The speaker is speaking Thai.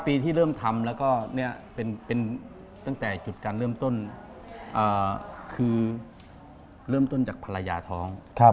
ปีที่เริ่มทำแล้วก็เป็นตั้งแต่จุดการเริ่มต้นคือเริ่มต้นจากภรรยาท้อง